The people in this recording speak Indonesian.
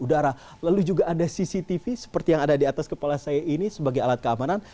udara lalu juga ada cctv seperti yang ada di atas kepala saya ini sebagai alat keamanan